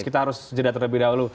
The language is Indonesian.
kita harus jeda terlebih dahulu